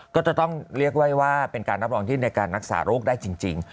ก็จะต้องเรียกไว้ว่าเป็นการรับรองที่ในการรักษาโรคได้จริง